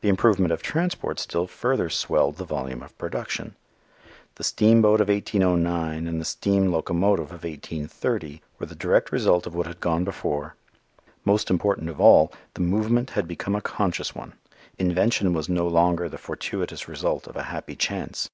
The improvement of transport still further swelled the volume of production. The steamboat of 1809 and the steam locomotive of 1830 were the direct result of what had gone before. Most important of all, the movement had become a conscious one. Invention was no longer the fortuitous result of a happy chance.